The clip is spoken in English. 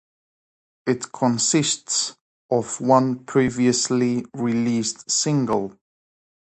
It consists of one previously released single.